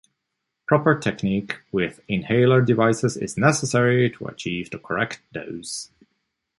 Proper technique with inhaler devices is necessary to achieve the correct dose.